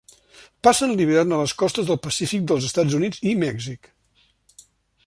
Passen l'hivern a les costes del Pacífic dels Estats Units i Mèxic.